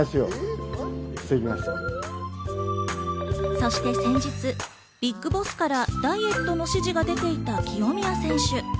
そして先日、ＢＩＧＢＯＳＳからダイエットの指示が出ていた清宮選手。